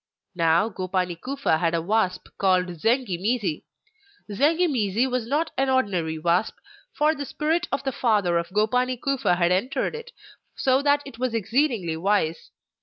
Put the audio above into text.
Now Gopani Kufa had a wasp called Zengi mizi. Zengi mizi was not an ordinary wasp, for the spirit of the father of Gopani Kufa had entered it, so that it was exceedingly wise.